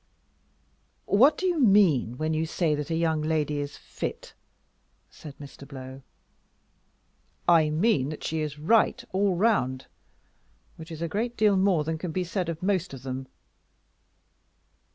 "What do you mean when you say that a young lady is fit?" said Mr. Blow. "I mean that she is right all round, which is a great deal more than can be said of most of them."